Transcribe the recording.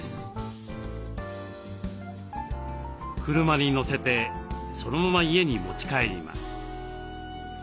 車に載せてそのまま家に持ち帰ります。